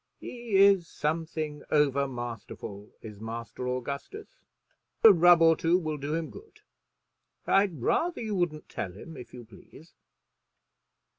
He is something overmasterful, is Master Augustus, and a rub or two will do him good. I'd rather you wouldn't tell him, if you please."